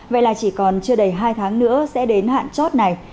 vậy là chỉ còn chưa đầy hai tháng nữa sẽ đến hạn chót này